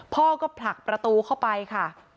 พ่อก็ผลักประตูเข้าไปค่ะ